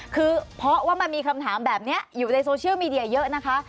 คือเพราะว่ามันมีคำถามแบบนี้อยู่ในโซเชียลมีเดียเยอะนะคะ